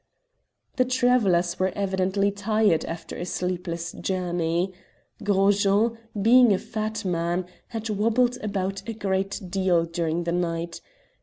The travellers were evidently tired after a sleepless journey. Gros Jean, being a fat man, had wobbled about a great deal during the night.